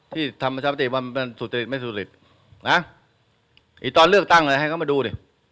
ที่ทำประชาปฏิมามันสุจริตไม่สุจริตนะไอ้ตอนเลือกตั้งอะไรให้เขามาดูดิ